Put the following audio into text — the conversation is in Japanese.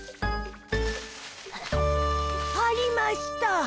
ありました！